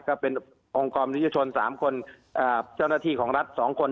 ก็เป็นองค์กรนิชชน๓คนเจ้าหน้าที่ของรัฐ๒คน